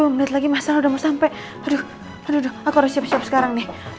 dua puluh menit lagi mas al udah mau sampai aduh aduh aku harus siap siap sekarang nih